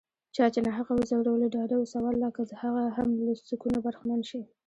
چا چې ناحقه وځورولي، ډاډه اوسه والله که هغه هم له سکونه برخمن شي